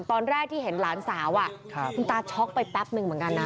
ตอนแรกที่เห็นหลานสาวคุณตาช็อกไปแป๊บนึงเหมือนกันนะ